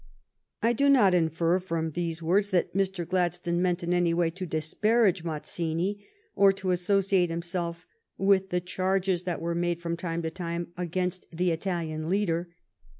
I do not infer from these words that Mr. Gladstone meant in any way to disparage Mazzini or to associate himself with the charges that were made from time to time against the Italian leader.